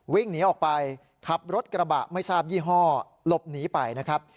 วิ่งหนีออกไปขับรถกระบะไม่ทราบยี่ห้อหลบหนีไปนะครับ